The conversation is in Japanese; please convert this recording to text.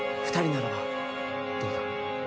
二人ならばどうだ？